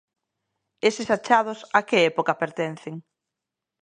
Eses achados a que época pertencen?